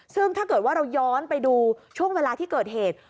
ซึ่งถ้าเกิดว่าเราย้อนไปดูช่วงเวลาที่เกิดเหตุ